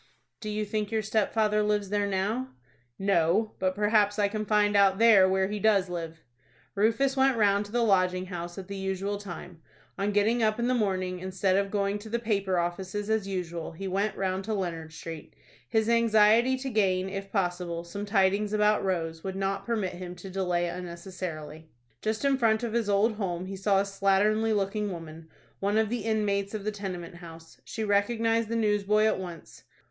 "Do you think your stepfather lives there now?" "No; but perhaps I can find out there where he does live." Rufus went round to the Lodging House at the usual time. On getting up in the morning, instead of going to the paper offices as usual, he went round to Leonard Street. His anxiety to gain, if possible, some tidings about Rose would not permit him to delay unnecessarily. Just in front of his old home he saw a slatternly looking woman, one of the inmates of the tenement house. She recognized the newsboy at once.